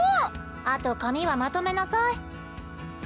あと髪はまとめなさい。